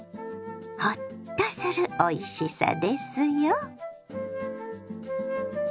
ホッとするおいしさですよ。